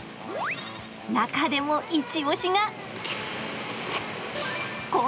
中でも一押しが。